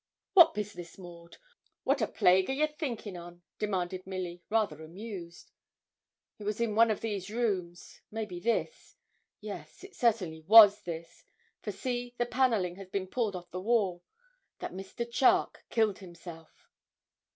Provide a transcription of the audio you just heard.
'What business, Maud? what a plague are ye thinking on?' demanded Milly, rather amused. 'It was in one of these rooms maybe this yes, it certainly was this for see, the panelling has been pulled off the wall that Mr. Charke killed himself.'